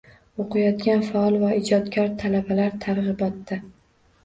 O‘qiyotgan faol va ijodkor talabalar targ‘ibotda.